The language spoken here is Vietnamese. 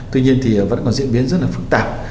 tuy nhiên thì vẫn còn diễn biến rất là phức tạp